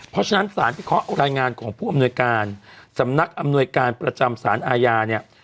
เพราะฉะนั้นสารพิเคราะห์รายงานของผู้อำนวยการสำนักอำนวยการประจำสารอาญาเนี่ย